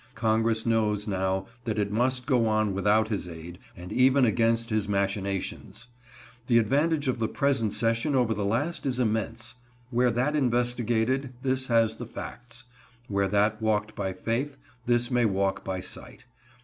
Congress knows now that it must go on without his aid, and even against his machinations. The advantage of the present session over the last is immense. Where that investigated, this has the facts. Where that walked by faith, this may walk by sight.